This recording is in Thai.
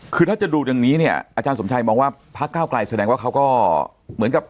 คือถ้าจะดูดังนี้เนี่ยอาจารย์สมชัยมองว่าพักเก้าไกลแสดงว่าเขาก็เหมือนกับ